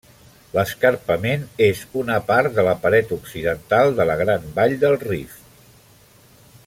L'escarpament és una part de la paret occidental de la Gran Vall del Rift.